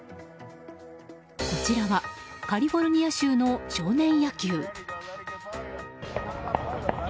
こちらはカリフォルニア州の少年野球。